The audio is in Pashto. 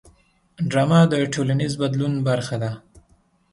ډرامه د ټولنیز بدلون برخه ده